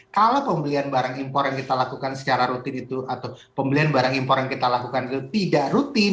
kalau pembelian barang impor yang kita lakukan secara rutin itu atau pembelian barang impor yang kita lakukan itu tidak rutin